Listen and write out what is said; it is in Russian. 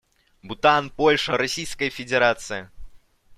Бутан, Польша, Российская Федерация.